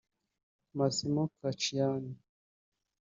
Massimo Casciani